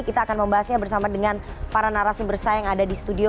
kita akan membahasnya bersama dengan para narasumber saya yang ada di studio